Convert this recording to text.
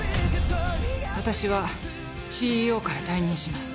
私はＣＥＯから退任します。